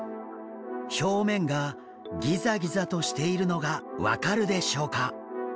表面がギザギザとしているのが分かるでしょうか？